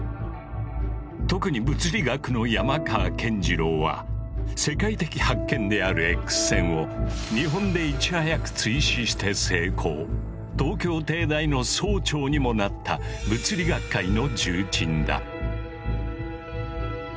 特に物理学の山川健次郎は世界的発見であるＸ線を東京帝大の総長にもなった物理学会の重鎮だ。